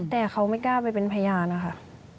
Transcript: แต่เขาไม่กล้าไปเป็นพยานนะคะ